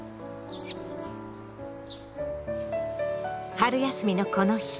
春休みのこの日。